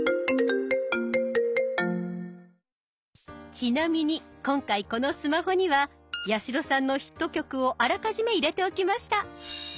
ちなみに今回このスマホには八代さんのヒット曲をあらかじめ入れておきました。